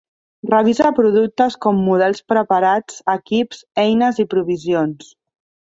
Revisa productes com models preparats, equips, eines i provisions.